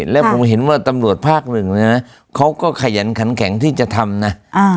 แล้วผมเห็นว่าตำรวจภาคหนึ่งนะเขาก็ขยันขันแข็งที่จะทำนะ